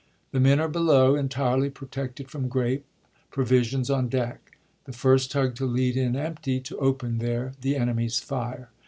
The men are below, entirely protected from grape — provisions on deck. The first tug to lead in empty, to open their [the enemy's] fire.